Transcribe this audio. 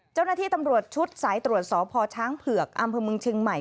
เจ้าหน้าที่ตำรวจชุดสายตรวจสพช้างเผือกอำเภอเมืองเชียงใหม่